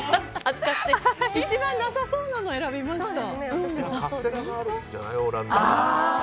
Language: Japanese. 一番なさそうなの選びました。